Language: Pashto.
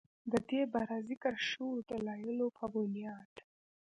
ددې بره ذکر شوو دلايلو پۀ بنياد